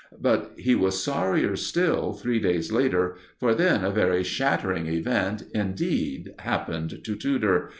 But he was sorrier still three days later, for then a very shattering event indeed happened to Tudor.